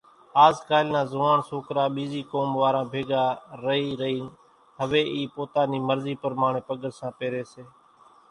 آز ڪالِ نا زوئاڻ سوڪرا ٻيزِي قوم واران ڀيڳا رئِي رئينَ هويَ اِي پوتا نِي مرضِي پرماڻيَ پڳرسان پيريَ سي۔